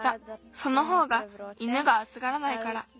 そのほうが犬があつがらないから。